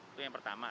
itu yang pertama